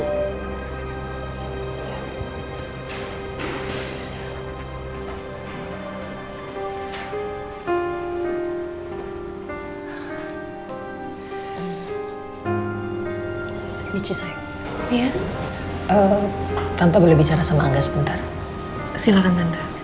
mici saya iya tante boleh bicara sama angga sebentar silakan tanda